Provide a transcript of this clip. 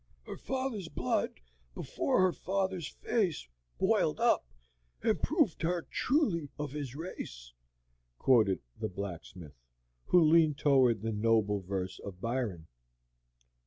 "Her father's blood before her father's face boiled up and proved her truly of his race," quoted the blacksmith, who leaned toward the noble verse of Byron.